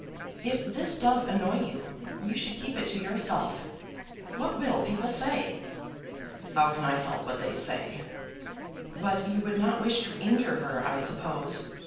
"If this does annoy you, you should keep it to yourself! What will people say?" "How can I help what they say?" "But you would not wish to injure her, I suppose?